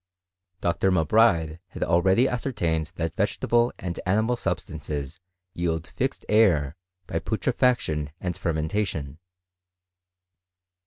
. Dr. M' Bride had already ascertained that vegetable and animal substances yield fixed air by putrefaction and fermentation.